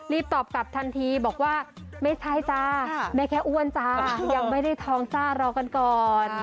ตอบกลับทันทีบอกว่าไม่ใช่จ้าได้แค่อ้วนจ้ายังไม่ได้ทองจ้ารอกันก่อน